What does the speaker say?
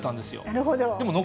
なるほど。